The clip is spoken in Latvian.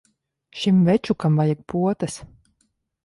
Šim večukam vajag potes.